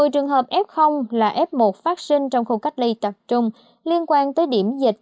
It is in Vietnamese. một mươi trường hợp f là f một phát sinh trong khu cách ly tập trung liên quan tới điểm dịch